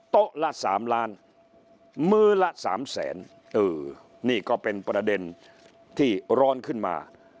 ละ๓ล้านมื้อละสามแสนเออนี่ก็เป็นประเด็นที่ร้อนขึ้นมา